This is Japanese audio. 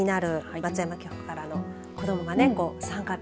松山局からの子どもの参観日。